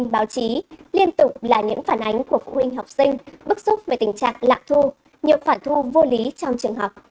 bức xúc về tình trạng lạng thu nhiều phản thu vô lý trong trường học